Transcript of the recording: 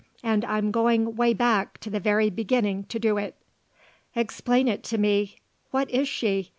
And I'm going way back to the very beginning to do it." "Explain it to me. What is she?